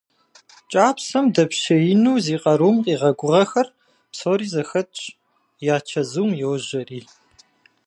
КӀапсэм дэпщеину зи къарум къигъэгугъэхэр псори зэхэтщ, я чэзум йожьэри.